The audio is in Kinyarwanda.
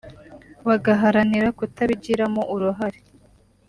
bagaharanira kutabigiramo uruhare